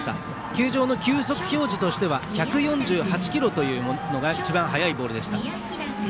球場の球速表示としては１４８キロというものが一番速いボールでした。